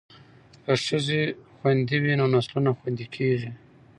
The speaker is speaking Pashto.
که ښځې خوندي وي نو نسلونه خوندي کیږي.